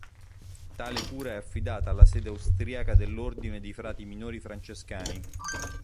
Tale cura è affidata alla sede austriaca dell'ordine dei Frati Minori Francescani.